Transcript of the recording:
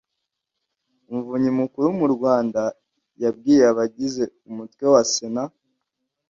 umuvunyi mukuru mu rwanda yabwiye abagize umutwe wa sena